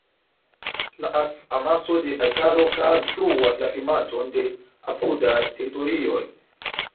La akv-amaso de Bajkalo influas la klimaton de apudaj teritorioj.